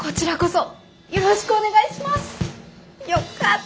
よかった。